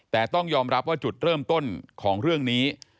แต่ต้องยอมรับว่าจุดเริ่มต้นของเรื่องนี้